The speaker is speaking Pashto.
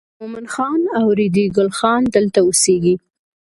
مومن خان او ریډي ګل خان دلته اوسېږي.